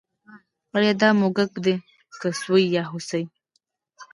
ایا دا موږک دی که سوی یا هوسۍ